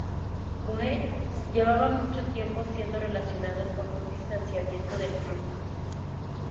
Cohen llevaba mucho tiempo siendo relacionado con un distanciamiento del club.